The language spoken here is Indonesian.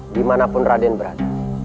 dimanapun raden berada